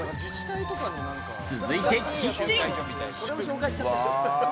続いてキッチン。